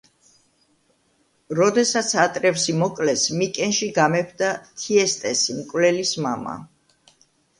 როდესაც ატრევსი მოკლეს, მიკენში გამეფდა თიესტესი, მკვლელის მამა.